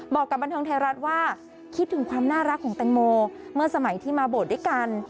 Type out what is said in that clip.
บอกกับบันเทิงไทยรัฐว่าคิดถึงความน่ารักของแตงโมเมื่อสมัยที่มาโบสถ์ด้วยกัน